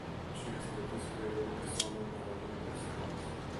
She has participated at the Summer Paralympics twice.